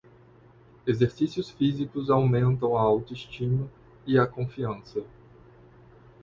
Exercícios físicos aumentam a autoestima e a confiança.